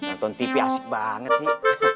nonton tv asik banget sih